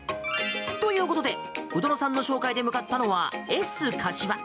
ということで鵜殿さんの紹介で向かったのはＳｋａｓｈｉｗａ。